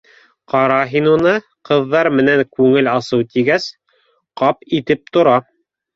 Ҡара һин уны, ҡыҙҙар менән күңел асыу тигәс, ҡап итеп тора